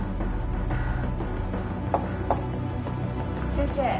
・・先生。